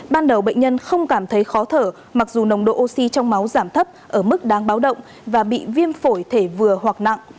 ban đầu bệnh nhân không cảm thấy khó thở mặc dù nồng độ oxy trong máu giảm thấp ở mức đáng báo động và bị viêm phổi thể vừa hoặc nặng